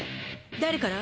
誰から？